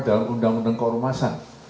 dalam undang undang keolahmasan